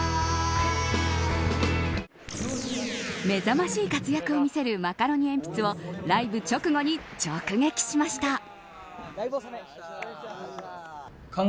目覚ましい活躍を見せるマカロニえんぴつをライブ直後に直撃しました。